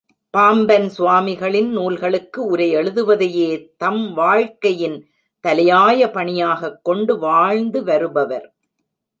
பாம்பன் சுவாமிகளின் நூல்களுக்கு உரை எழுதுவதையே தம் வாழ்க்கையின் தலையாய பணியாகக் கொண்டு வாழ்ந்து வருபவர்.